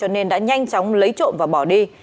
nên đã nhanh chóng lấy trộm và bỏ đi